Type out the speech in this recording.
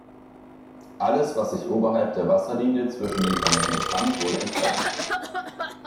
Alles was sich oberhalb der Wasserlinie zwischen den Kanälen befand, wurde entfernt.